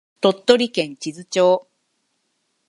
鳥取県智頭町